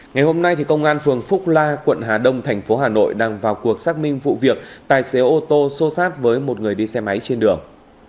ngày hôm nay công an phường phúc la quận hà đông thành phố hà nội đang vào cuộc xác minh vụ việc tài xế ô tô xô sát với một người đi xe máy trên đường